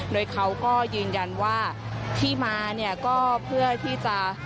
โดยเขาก็ยืนยันว่าที่มาเนี่ยก็เพื่อที่จะ